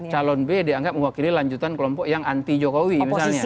calon b dianggap mewakili lanjutan kelompok yang anti jokowi misalnya